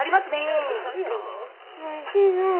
おいしいなぁ。